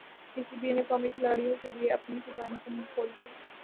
پی C B نے قومی کھلاڑیوں کیلئے اپنے خزانے کا منہ کھول دیا